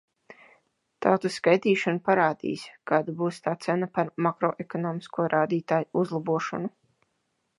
Tautas skaitīšana parādīs, kāda būs tā cena par makroekonomisko rādītāju uzlabošanu.